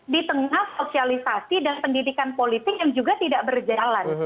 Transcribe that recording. di tengah sosialisasi dan pendidikan politik yang juga tidak berjalan